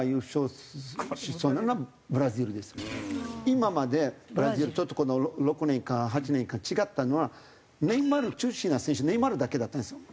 今までブラジルちょっと６年間８年間違ったのはネイマール中心の選手ネイマールだけだったんですよ。